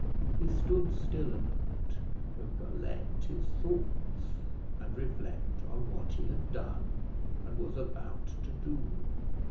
He stood still a moment to collect his thoughts, and reflect on what he had done, and was about to do.